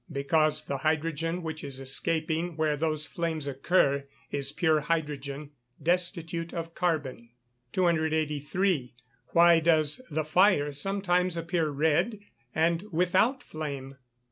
_ Because the hydrogen which is escaping where those flames occur is pure hydrogen, destitute of carbon. 283. _Why does the fire sometimes appear red, and without flame?